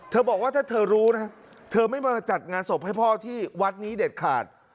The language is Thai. บอกว่าถ้าเธอรู้นะเธอไม่มาจัดงานศพให้พ่อที่วัดนี้เด็ดขาด